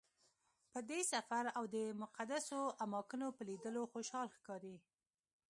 په دې سفر او د مقدسو اماکنو په لیدلو خوشحاله ښکاري.